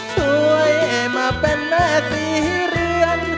ช่วยมาเป็นแม่ศรีเรือน